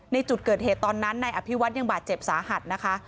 ในจุดเกิดเหตุตอนนั้นนายอภิวัฒน์ยังบาดเจ็บสาหัสนะคะ